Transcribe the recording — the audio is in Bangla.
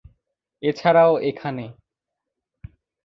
এছাড়াও এখানে।